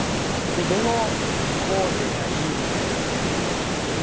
でどのコーデがいい？みたいな動画を１２分ぐらいの。